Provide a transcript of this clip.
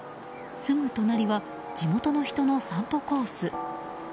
すぐ隣は地元の人の散歩コース。